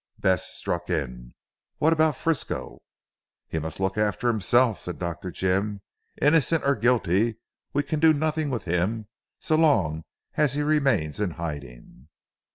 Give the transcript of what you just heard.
Bess struck in. "What about Frisco?" "He must look after himself," said Dr. Jim, "innocent or guilty we can do nothing with him so long as he remains in hiding."